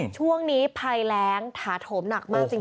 ช่วงนี้ภัยแรงถาโถมหนักมากจริง